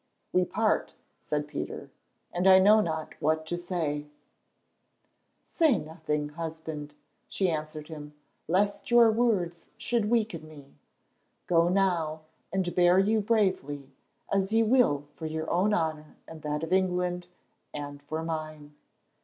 "We part," said Peter, "and I know not what to say." "Say nothing, husband," she answered him, "lest your words should weaken me. Go now, and bear you bravely, as you will for your own honour and that of England, and for mine.